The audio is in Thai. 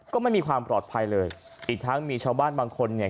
ก็ไม่มีความปลอดภัยเลยอีกทั้งมีชาวบ้านบางคนเนี่ย